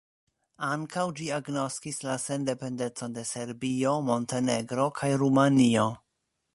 Ankaŭ ĝi agnoskis la sendependecon de Serbio, Montenegro kaj Rumanio.